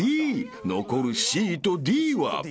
［残るＣとＤは］